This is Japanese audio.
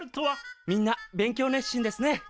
みんな勉強熱心ですね。